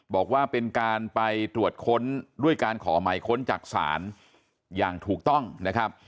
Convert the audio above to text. บอกว่าเป็นการไปตรวจค้นด้วยการขอหมายค้นจากศาลอย่างถูกต้องนะครับ